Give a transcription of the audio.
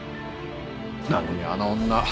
なのにあの女。